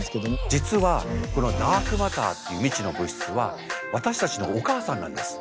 実はこのダークマターっていう未知の物質は私たちのお母さんなんです。